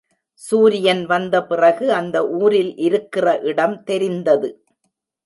சூரியன் வந்த பிறகு அந்த ஊரில் இருக்கிற இடம் தெரிந்தது.